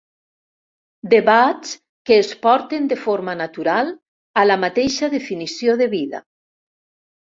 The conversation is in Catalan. Debats que es porten de forma natural a la mateixa definició de vida.